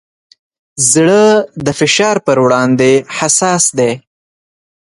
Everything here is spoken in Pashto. زړه د فشار پر وړاندې حساس دی.